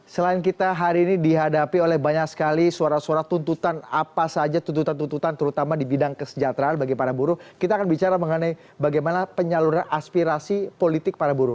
selain kita hari ini dihadapi oleh banyak sekali suara suara tuntutan apa saja tuntutan tuntutan terutama di bidang kesejahteraan bagi para buruh kita akan bicara mengenai bagaimana penyaluran aspirasi politik para buruh